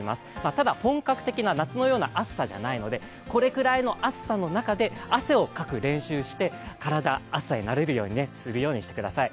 ただ本格的な夏のような暑さじゃないのでこれぐらいの暑さの中で汗をかく練習をして体、暑さに慣れるようにしてください。